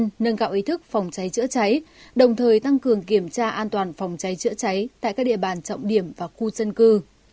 nâng cao nâng cao ý thức phòng cháy chữa cháy đồng thời tăng cường kiểm tra an toàn phòng cháy chữa cháy tại các địa bàn trọng điểm và khu dân cư